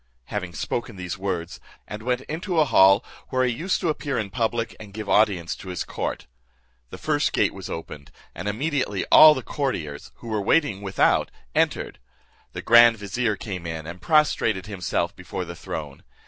Having spoken these words, the caliph rose, and went into a hall where he used to appear in public, and give audience to his court. The first gate was opened, and immediately all the courtiers, who were waiting without, entered. The grand vizier, came in, and prostrated himself before the throne.